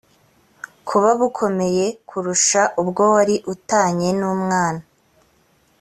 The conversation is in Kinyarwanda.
kuba bukomeye kurusha ubwo wari u tanye n umwana